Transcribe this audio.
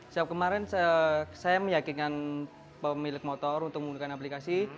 siap kemarin saya meyakinkan pemilik motor untuk menggunakan aplikasi